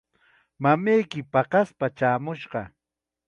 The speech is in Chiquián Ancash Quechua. Mamayki paqaspa chaamushqa.